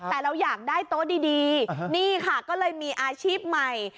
แต่เราอยากได้โต๊ะดีนี่ค่ะก็เลยมีอาชีพใหม่